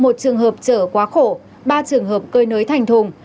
một trường hợp chở quá khổ ba trường hợp cơi nới thành thùng